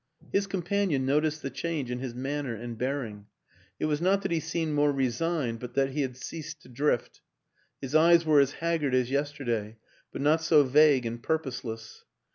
His companion noticed the change in his manner and bearing; it was not that he seemed more resigned, but that he had ceased to drift his eyes were as haggard as yesterday, but not so vague and purposeless.